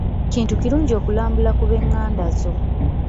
Kintu kirungi okulambula ku b'enganda zo.